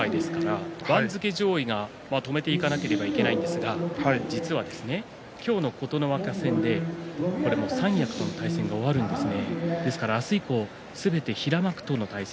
番付社会の相撲界ですから番付上位が止めていかなくちゃいけないんですが実は今日の琴ノ若戦で三役との対戦が終わるんですね。